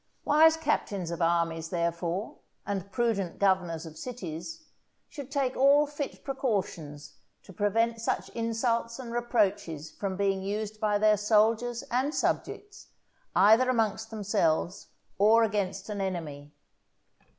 Wise captains of armies, therefore, and prudent governors of cities, should take all fit precautions to prevent such insults and reproaches from being used by their soldiers and subjects, either amongst themselves or against an enemy.